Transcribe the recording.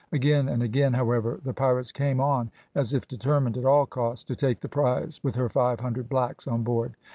Again, and again, however, the pirates came on, as if determined, at all costs, to take the prize with her five hundred blacks on board.